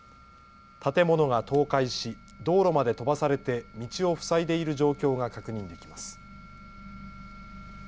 建物が倒壊し道路まで飛ばされて道を塞いでいる状況が確認できます。